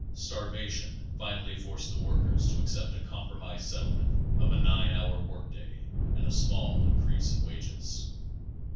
Starvation finally forced the workers to accept a compromise settlement of a nine hour workday and a small increase in wages.